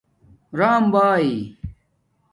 رَم بائ